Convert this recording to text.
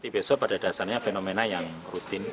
besok pada dasarnya fenomena yang rutin